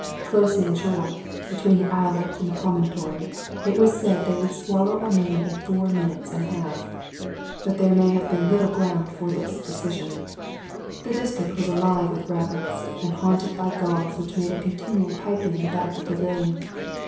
Close in shore, between the islet and the promon tory, it was said they would swallow a man in four minutes and a half ; but there may have been little ground for this precision. The district was alive with rabbits, and haunted by gulls which made a continual piping about the pavilion.